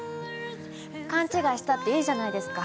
かんちがいしたっていいじゃないですか。